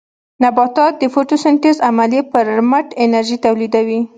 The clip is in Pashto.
نباتات د فوټوسنټیز عملیې پرمټ انرژي تولیدوي.